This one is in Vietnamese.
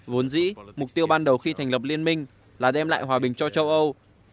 vốn dĩ mục tiêu ban đầu khi thành lập liên minh là đem lại hòa bình cho châu âu